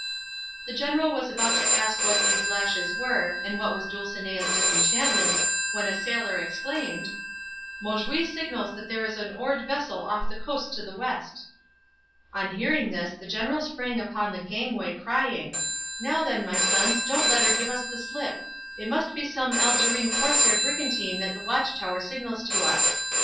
The general was about to ask what these lashes were, and what was Dulcinea's disenchantment, when a sailor exclaimed, "Monjui signals that there is an oared vessel off the coast to the west." On hearing this the general sprang upon the gangway crying, "Now then, my sons, don't let her give us the slip! It must be some Algerine corsair brigantine that the watchtower signals to us."